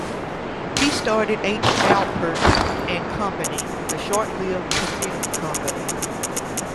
He started H. Alpert and Company, a short lived perfume company.